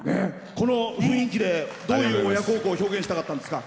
この雰囲気でどういう親孝行を表現したかったんですか？